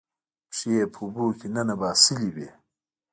پښې یې په اوبو کې ننباسلې وې